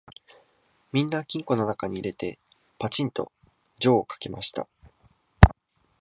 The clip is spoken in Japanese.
みんな金庫のなかに入れて、ぱちんと錠をかけました